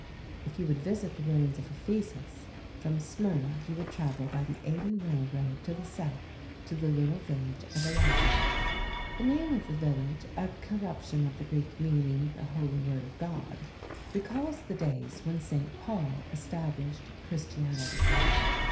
* 1 If you would visit the ruins of Ephesus, from Smyrna, you would travel by the Aidin Railroad to the south to the little village of Ayassoluk. The name of the village, a corruption of the Greek meaning "The Holy Word of God," recalls the days when St. Paul established Christianity there.